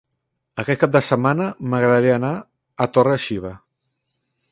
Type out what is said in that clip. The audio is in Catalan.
Aquest cap de setmana m'agradaria anar a Torre-xiva.